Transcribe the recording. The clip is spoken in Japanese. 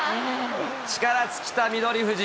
力尽きた翠富士。